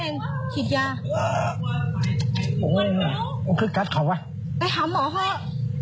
นิบตรงหัวมันเลยไหม